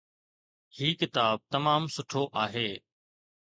هي ڪتاب تمام سٺو آهي